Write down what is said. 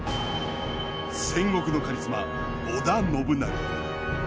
戦国のカリスマ織田信長。